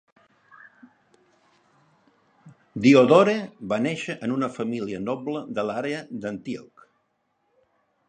Diodore va néixer en una família noble a l'àrea d'Antioch.